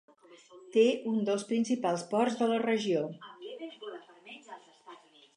Té un dels principals ports de la regió.